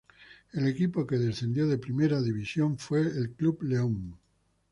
El equipo que descendió de Primera División fue Club León.